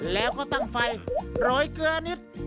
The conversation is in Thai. แล้วตั้งไฟโรยเกลือนิด